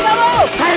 sini sini diam